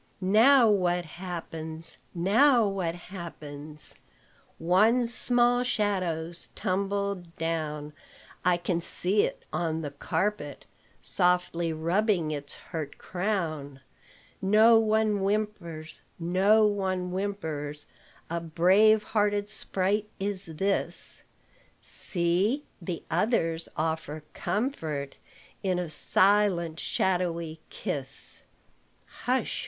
"Now what happens, now what happens? One small shadow's tumbled down: I can see it on the carpet, Softly rubbing its hurt crown. No one whimpers, no one whimpers; A brave hearted sprite is this: See! the others offer comfort In a silent, shadowy kiss. "Hush!